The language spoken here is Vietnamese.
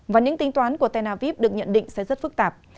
và những tính toán của tel aviv được nhận định sẽ rất phức tạp